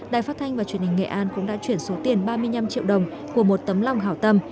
đài phát thanh và truyền hình nghệ an cũng đã chuyển số tiền ba mươi năm triệu đồng của một tấm lòng hảo tâm